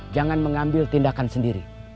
jangan mengambil tindakan sendiri